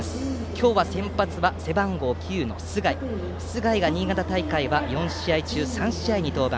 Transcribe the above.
今日、先発は背番号９の須貝須貝が新潟大会は４試合中３試合に登板。